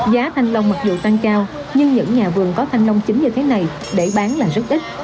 giá thanh long mặc dù tăng cao nhưng những nhà vườn có thanh nông chính như thế này để bán là rất ít